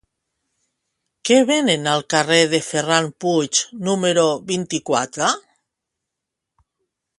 Què venen al carrer de Ferran Puig número vint-i-quatre?